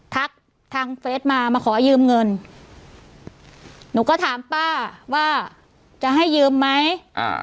ทักทางเฟสมามาขอยืมเงินหนูก็ถามป้าว่าจะให้ยืมไหมอ่า